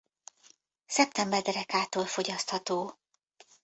Szeptember derekától fogyasztható.